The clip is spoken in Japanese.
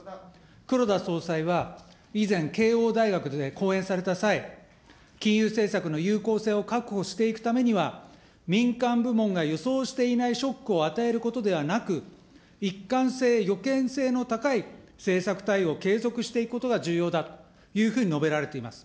黒田総裁は以前、慶應大学で講演された際、金融政策の有効性を確保していくためには、民間部門が予想していないショックを与えることではなく、一貫性、予見性の高い政策対応を継続していくことが重要だというふうに述べられています。